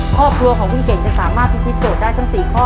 ครอบครัวของคุณเก่งจะสามารถพิธีโจทย์ได้ทั้ง๔ข้อ